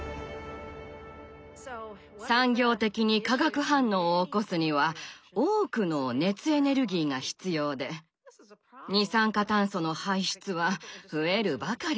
産業的に化学反応を起こすには多くの熱エネルギーが必要で二酸化炭素の排出は増えるばかりです。